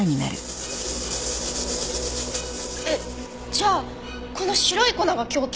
えっじゃあこの白い粉が凶器？